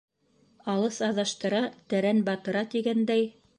Алыҫ аҙаштыра, тәрән батыра, тигәндәй...